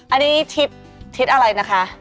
อันนี้ทิศอะไรนะคะ